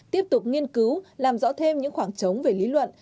tiếp tục nghiên cứu làm rõ thêm những khoảng trống về lý luận